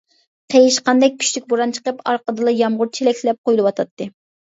قېيىشقاندەك كۈچلۈك بوران چىقىپ ئارقىدىنلا يامغۇر چېلەكلەپ قۇيۇلۇۋاتاتتى.